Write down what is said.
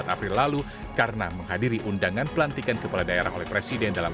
empat april lalu karena menghadiri undangan pelantikan kepala daerah oleh presiden dalam